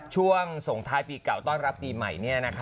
ช่วงส่งท้ายปีเก่าต้อนรับปีใหม่